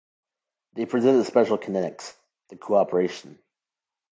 They present a special kinetics: the cooperation.